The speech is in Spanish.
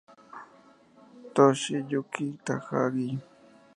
Toshiyuki Takagi